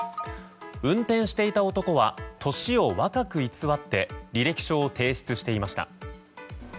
運転していた男は年を若く偽って履歴書を提出していました。